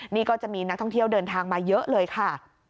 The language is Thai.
นี่ก็จะมีนักท่องเที่ยวเดินทางมาเยอะเลยค่ะ